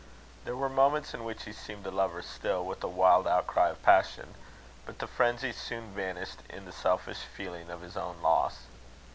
There were moments in which he seemed to love her still with a wild outcry of passion; but the frenzy soon vanished in the selfish feeling of his own loss.